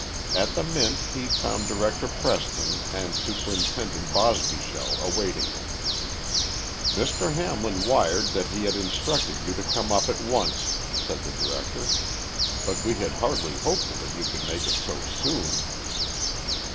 At the Mint he found Director Preston and Superintendent Bosbyshell awaiting him. "Mr. Hamlin wired that he had instructed you to come up at once," said the director. "But we had hardly hoped that you could make it so soon."